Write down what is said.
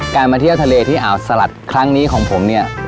มาเที่ยวทะเลที่อ่าวสลัดครั้งนี้ของผมเนี่ย